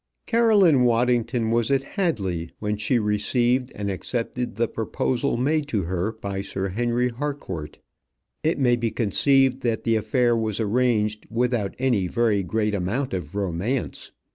Caroline Waddington was at Hadley when she received and accepted the proposal made to her by Sir Henry Harcourt. It may be conceived that the affair was arranged without any very great amount of romance.